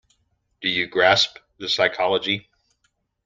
Do you grasp the psychology?